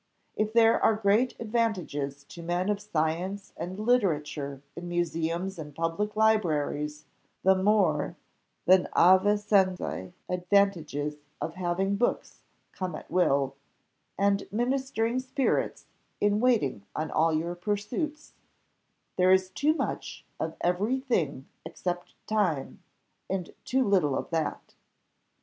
If there are great advantages to men of science and literature in museums and public libraries, the more than Avicenna advantages of having books come at will, and ministering spirits in waiting on all your pursuits there is too much of every thing except time, and too little of that.